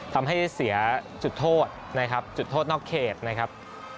ทำให้เสียจุดโทษนะครับจุดโทษนอกเขตนะครับ